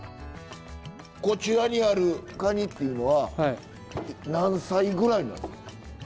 こちらにあるカニっていうのは何歳ぐらいなんですか？